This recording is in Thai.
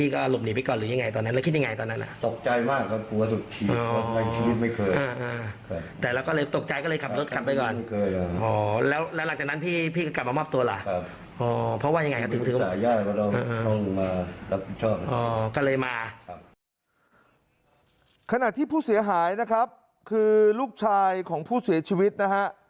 ขณะที่ผู้เสียหายนะครับคือลูกชายของผู้เสียชีวิตนะฮะ